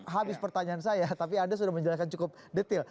habis pertanyaan saya tapi anda sudah menjelaskan cukup detail